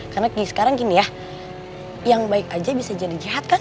karena sekarang gini ya yang baik aja bisa jadi jahat kan